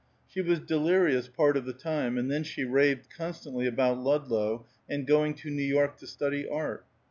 She was delirious part of the time, and then she raved constantly about Ludlow, and going to New York to study art.